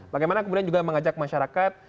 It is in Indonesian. bagaimana kemudian juga mengajak masyarakat